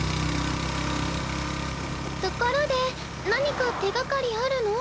ところで何か手がかりあるの？